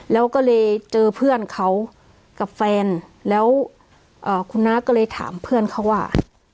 แล้วก็เลยเจอเพื่อนเขากับแฟนแล้วคุณน้าก็เลยถามเพื่อนเขาว่า